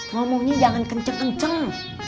ngomongnya jangan kenceng kenceng